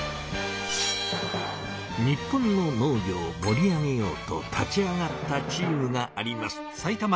日本の農業をもり上げようと立ち上がったチームがあります。